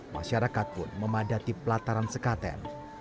masyarakat pun memadati pelataran sekaten